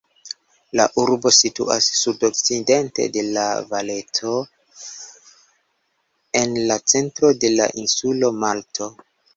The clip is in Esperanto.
La urbo situas sudokcidente de La-Valeto, en la centro de la insulo Malto.